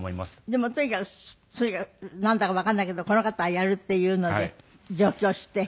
でもとにかくなんだかわかんないけどこの方がやるっていうので上京して。